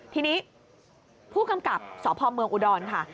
ทีนี้ผู้กำกับสพเมืองอุดรค่ะ